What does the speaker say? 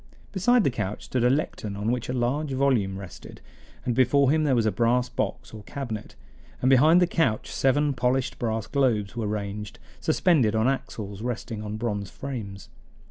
Beside the couch stood a lectern on which a large volume rested, and before him there was a brass box or cabinet, and behind the couch seven polished brass globes were ranged, suspended on axles resting on bronze frames.